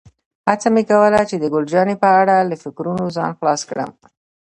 هڅه مې کوله چې د ګل جانې په اړه له فکرونو ځان خلاص کړم.